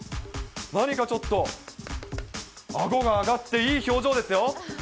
何かちょっと、あごが上がって、いい表情ですよ。